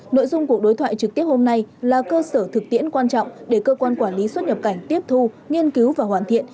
nội dung cuộc đối thoại trực tiếp hôm nay là cơ sở thực tiễn quan trọng để cơ quan quản lý xuất nhập cảnh tiếp thu nghiên cứu và hoàn thiện